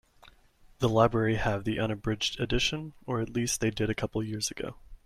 The library have the unabridged edition, or at least they did a couple of years ago.